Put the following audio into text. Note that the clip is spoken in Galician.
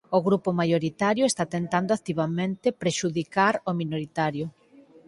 O grupo maioritario está tentando activamente prexudicar o minoritario.